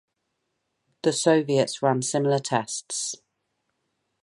The Soviets ran similar tests.